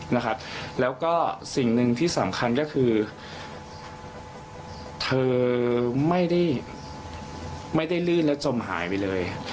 นะครับแล้วก็สิ่งหนึ่งที่สำคัญก็คือเธอไม่ได้ไม่ได้ลื่นแล้วจมหายไปเลย